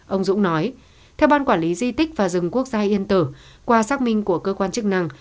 ông dũng nói theo ban quản lý di tích và rừng quốc gia yên tử qua xác minh của cơ quan chức năng